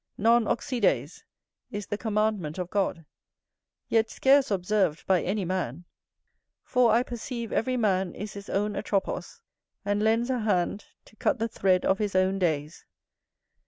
"Non occides," is the commandment of God, yet scarce observed by any man; for I perceive every man is his own Atropos, and lends a hand to cut the thread of his own days.